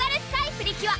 プリキュア